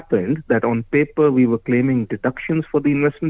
pada kertas kami mencerminkan deduksi untuk perusahaan investasi